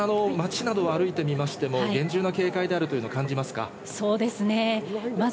馬場さん、街などを歩いてみましても、厳重な警戒であるというのを感じそうですね。